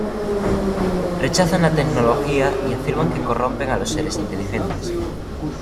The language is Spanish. Rechazan la tecnología y afirman que corrompe a los seres inteligentes.